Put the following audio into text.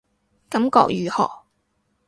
感覺如何